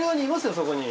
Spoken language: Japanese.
そこに。